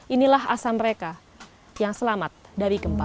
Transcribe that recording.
inilah asal mereka yang selamat dari gempa